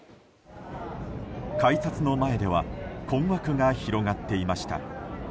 改札の前では困惑が広がっていました。